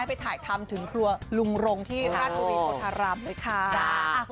ให้ไปถ่ายทำถึงครัวลุงรงที่ธาตุวิทย์โทษรัพย์เลยค่ะอ่า